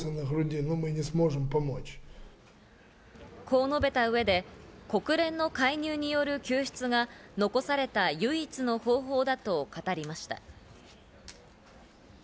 こう述べた上で国連の介入による救出が残された唯一の方法だと語りました。